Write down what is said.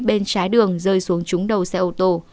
bên trái đường rơi xuống trúng đầu xe ô tô